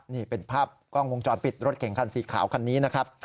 นี่เป็นภาพกล้องวงจรปิดรถเก่งคันสีขาวคันนี้นะครับ